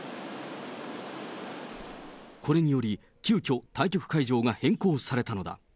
これにより、急きょ、対局会場が変更されたのだ。